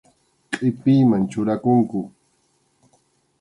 Qʼipiyman churakunku.